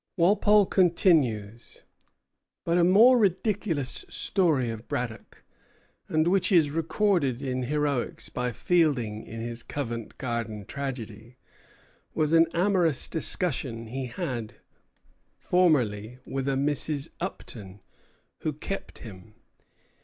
Walpole continues: "But a more ridiculous story of Braddock, and which is recorded in heroics by Fielding in his Covent Garden Tragedy, was an amorous discussion he had formerly with a Mrs. Upton, who kept him.